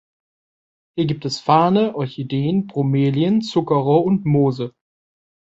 Hier gibt es Farne, Orchideen, Bromelien, Zuckerrohr und Moose.